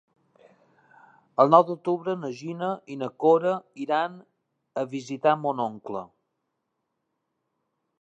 El nou d'octubre na Gina i na Cora iran a visitar mon oncle.